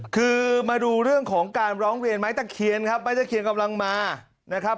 คือมาดูเรื่องของการร้องเรียนไม้ตะเคียนครับไม้ตะเคียนกำลังมานะครับ